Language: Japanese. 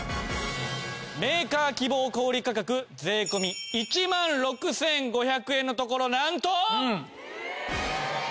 メーカー希望小売価格税込１万６５００円のところなんと。